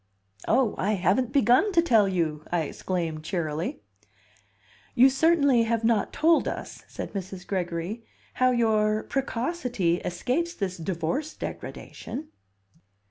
"Oh, I haven't begun to tell you!" I exclaimed cheerily. "You certainly have not told us," said Mrs. Gregory, "how your 'precocity' escapes this divorce degradation."